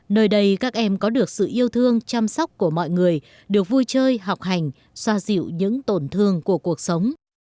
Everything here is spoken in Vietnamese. nơi đây các em có được sự yêu thương chăm sóc của mọi người được vui chơi học hành xoa dịu những tổn thương của cuộc sống